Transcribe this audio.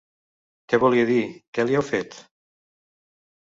Què volia dir, què li heu fet?